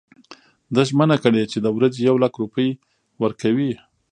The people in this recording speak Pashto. ده ژمنه کړې چې د ورځي یو لک روپۍ ورکوي.